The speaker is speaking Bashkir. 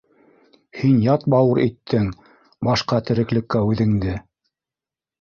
Һин ят бауыр иттең башҡа тереклеккә үҙеңде!